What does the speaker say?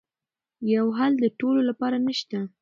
یو حل د ټولو لپاره نه شته.